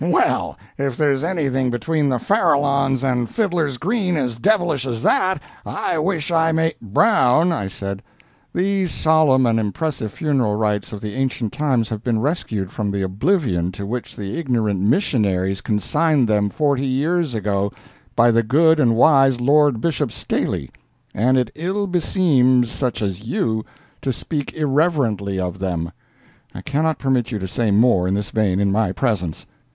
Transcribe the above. "Well, if there's anything between the Farallones and Fiddlers Green as devilish as that, I wish I may—" "Brown," I said, "these solemn and impressive funeral rites of the ancient times have been rescued from the oblivion to which the ignorant missionaries consigned them forty years ago, by the good and wise Lord Bishop Staley, and it ill beseems such as you to speak irreverently of them. I cannot permit you to say more in this vein in my presence."